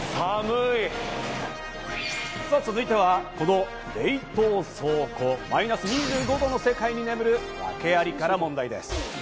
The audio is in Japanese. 続いてはこの冷凍倉庫、マイナス２５度の世界に眠るワケアリからの問題です。